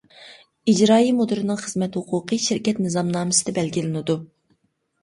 ئىجرائىي مۇدىرنىڭ خىزمەت ھوقۇقى شىركەت نىزامنامىسىدە بەلگىلىنىدۇ.